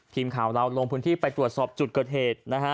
ทีมข่าวเราลงพื้นที่ไปตรวจสอบจุดเกิดเหตุนะฮะ